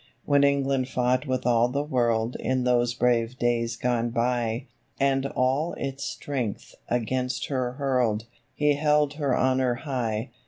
When England fought with all the world In those brave days gone by, And all its strength against her hurled, He held her honour high.